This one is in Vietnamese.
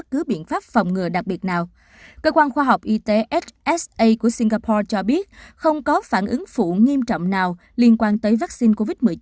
cơ quan khoa học y tế hsa của singapore cho biết không có phản ứng phụ nghiêm trọng nào liên quan tới vaccine covid một mươi chín